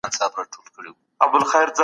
زه په کمپيوټر کي ډاټا ذخيره کوم.